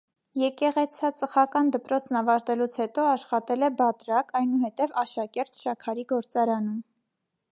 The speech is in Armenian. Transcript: Եկեղեցածխական դպրոցն ավարտելուց հետո աշխատել է բատրակ, այնուհետև՝ աշակերտ շաքարի գործարանում։